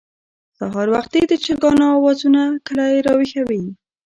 سهار وختي د چرګانو اوازونه کلى راويښوي.